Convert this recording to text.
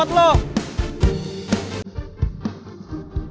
aduh ini a whoaah